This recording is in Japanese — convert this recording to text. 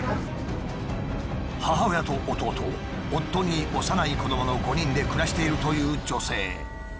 母親と弟夫に幼い子どもの５人で暮らしているという女性。